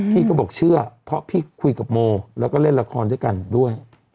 พี่ก็บอกเชื่อเพราะพี่คุยกับโมแล้วก็เล่นละครด้วยกันด้วย